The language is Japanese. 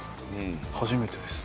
初めてです。